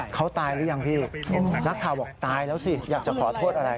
เขาตายหรือยังพี่นักข่าวบอกตายแล้วสิอยากจะขอโทษอะไร